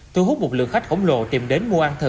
thu hút một lượng khách khổng lồ tìm đến